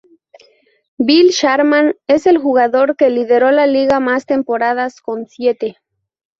Bill Sharman es el jugador que lidero la liga más temporadas, con siete.